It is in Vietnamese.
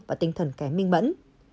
và tinh thần kém minh mẫn